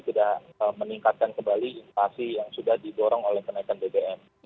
tidak meningkatkan kembali inflasi yang sudah didorong oleh kenaikan bbm